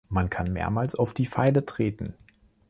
Man kann mehrmals auf die Pfeile treten.